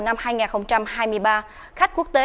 năm hai nghìn hai mươi ba khách quốc tế